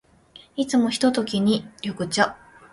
いつものひとときに、緑茶。